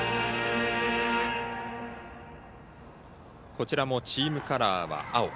こちらもチームカラーは青。